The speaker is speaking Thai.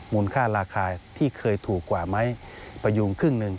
มูลค่าราคาที่เคยถูกกว่าไม้พยุงครึ่งหนึ่ง